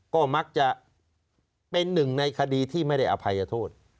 ก็มักจะเป็นหนึ่งในคดีที่ไม่ได้อภัยโทษ